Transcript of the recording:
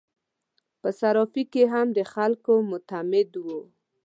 په صرافي کې هم د خلکو معتمد وو.